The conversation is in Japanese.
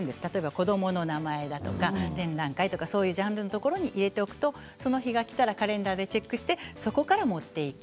子どもの名前だとか展覧会とかジャンルのところに入れておくとその日がきたらカレンダーでチェックしてそこから持っていく。